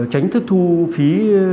tránh thu phí